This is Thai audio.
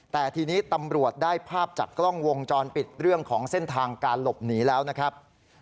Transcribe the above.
แต่ทีนี้ตำรวจได้ภาพจากกล้องวงจรปิดเรื่องของเส้นทางการหลบหนีแล้วนะครับ